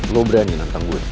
loh berani nantang jews